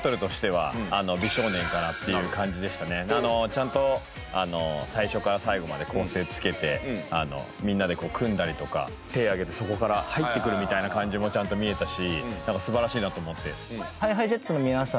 ちゃんと最初から最後まで構成つけてみんなで組んだりとか手上げてそこから入ってくるみたいな感じもちゃんと見えたし素晴らしいなと思って。